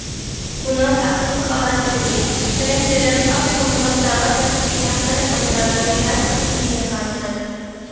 ئۇنىڭ ئاساسلىق ئالاھىدىلىكى: بىرىنچىدىن، ئاز سوممىلىق دەۋا تەرتىپى ھەق تەلەپ ماجىرالىرىنى ھەل قىلىشتىكى مېخانىزم.